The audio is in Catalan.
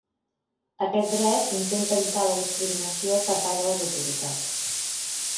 Aquest dret intenta evitar la discriminació per part de les autoritats.